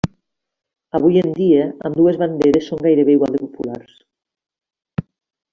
Avui en dia, ambdues banderes són gairebé igual de populars.